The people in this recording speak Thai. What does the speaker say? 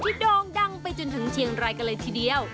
โด่งดังไปจนถึงเชียงรายกันเลยทีเดียว